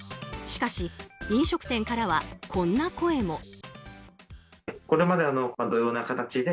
しかし、飲食店からはこんな声も。